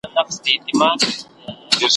ښاماران مي تېروله `